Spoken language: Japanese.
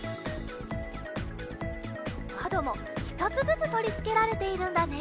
まどもひとつずつとりつけられているんだね。